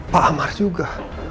pak amar juga